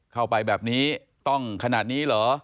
เข้าไปแบบนี้ต้องขนาดนี้เหรอ